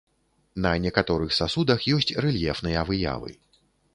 На некаторых сасудах ёсць рэльефныя выявы.